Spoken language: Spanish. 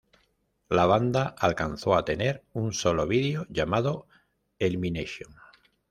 La banda alcanzó a tener un solo video llamado Elimination.